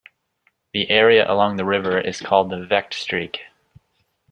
The area along the river is called the "Vechtstreek".